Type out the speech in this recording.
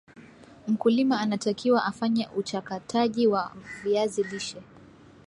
mkulima anatakiwa afanye uchakataji wa viazi lishe